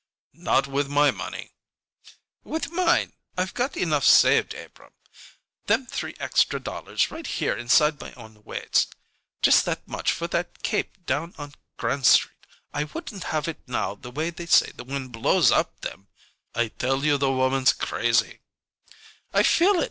"Not with my money." "With mine! I've got enough saved, Abrahm. Them three extra dollars right here inside my own waist. Just that much for that cape down on Grand Street. I wouldn't have it now, the way they say the wind blows up them " "I tell you the woman's crazy " "I feel it!